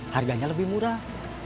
harganya lebih murah